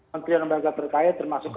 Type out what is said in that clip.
ketua lembaga perkaya termasuk